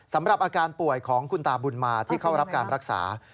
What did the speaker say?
สำหรับอาการป่วยของคุณตาบุญมาที่เข้ารับการรักษา